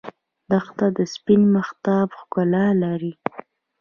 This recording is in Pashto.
دښته د سپین مهتاب ښکلا لري.